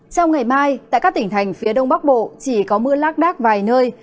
trong ngày mai tại các tỉnh thành phía đông bắc bộ chỉ có mưa lác đác vài nơi